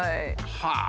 はあ！